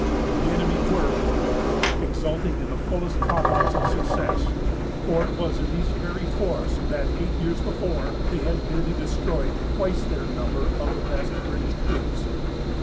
The enemy were, moreover, exulting in the fullest confidence of success; for it was in these very forests that, eight years before, they had nearly destroyed twice their number of the best British troops.